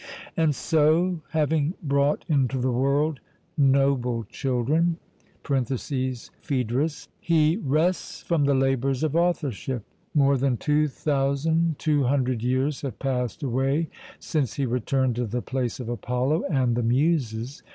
... And so having brought into the world 'noble children' (Phaedr.), he rests from the labours of authorship. More than two thousand two hundred years have passed away since he returned to the place of Apollo and the Muses.